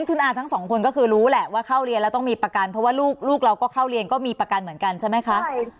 คุณอาทั้งสองคนก็คือรู้แหละว่าเข้าเรียนแล้วต้องมีประกันเพราะว่าลูกเราก็เข้าเรียนก็มีประกันเหมือนกันใช่ไหมคะ